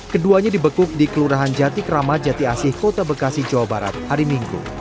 keduanya dibekuk di kelurahan jati krama jati asih kota bekasi jawa barat hari minggu